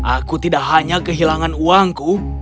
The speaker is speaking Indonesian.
aku tidak hanya kehilangan uangku